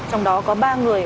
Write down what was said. trong đó có ba người